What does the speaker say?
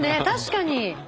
確かに。